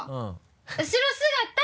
後ろ姿